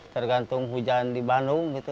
tergantung hujan di bandung hujan ageng